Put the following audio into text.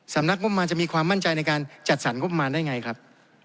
สำนักงบมารจะมีความมั่นใจในการจัดสรรงบประมาณได้ไงครับ